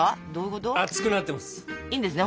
いいんですね